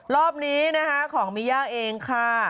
รอบนี้ของมียาเองค่ะ